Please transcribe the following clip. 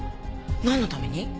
なんのために？